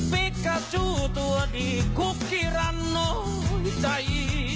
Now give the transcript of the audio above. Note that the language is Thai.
พลิกกาจูตัวดีคุกกี่รันโน้ยใจ